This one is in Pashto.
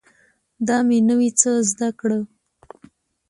دا مې نوي څه زده کړي